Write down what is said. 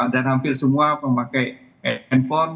dan hampir semua pemakai handphone